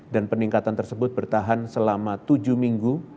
dan peningkatan tersebut bertahan selama tujuh minggu